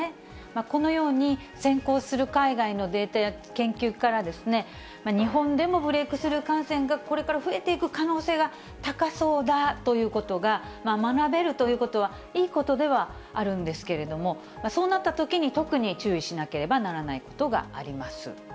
このように先行する海外のデータや研究からですね、日本でもブレークスルー感染がこれから増えていく可能性が高そうだということが学べるということは、いいことではあるんですけれども、そうなったときに特に注意しなければならないことがあります。